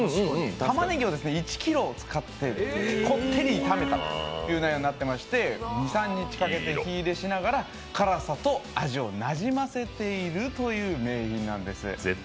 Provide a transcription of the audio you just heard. たまねぎを１ｋｇ使ってこってり炒めた内容になっていまして、２３日かけて火入れしながら辛さと味をなじませているという逸品なんです。